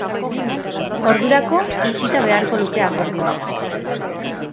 Ordurako itxita beharko luke akordioak.